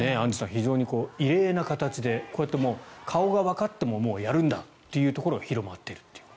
非常に異例な形でこうやって顔がわかってももうやるんだというところが広まっているという。